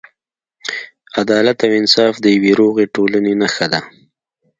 عدالت او انصاف د یوې روغې ټولنې نښه ده.